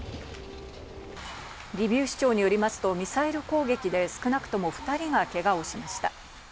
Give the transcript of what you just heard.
リビウ市長によりますと、ミサイル攻撃で少なくとも２人がけがをしました。